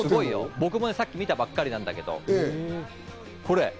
僕もさっき見たばっかりなんだけど。